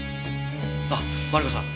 あっマリコさん